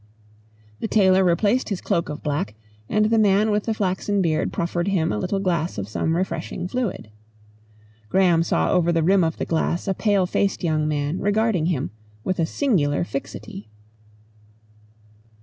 The tailor replaced his cloak of black, and the man with the flaxen beard proffered him a little glass of some refreshing fluid. Graham saw over the rim of the glass a pale faced young man regarding him with a singular fixity.